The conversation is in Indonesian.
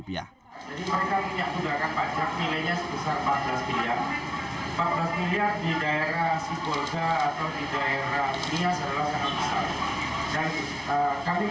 pajak miliar di daerah sipolga atau di daerah niaz adalah sangat besar